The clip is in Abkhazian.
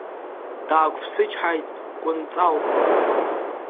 Даақәԥсычҳаит Кәынҵал.